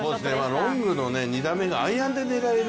ロングの２打目のアイアンで狙える。